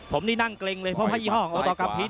ผมนี่นั่งเกรงเลยเพราะว่ายี่ห้องโอธอกราฟพีช